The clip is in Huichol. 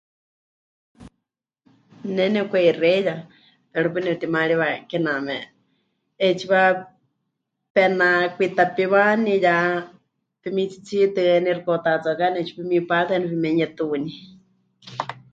Ne nepɨkaheixeiya pero paɨ nepɨtimaariwa kename 'eetsiwa penakwitapiwani ya pemitsitsitɨani, xɨka 'utatsuakani 'eetsiwa pemipáritɨani pemenuyetuní.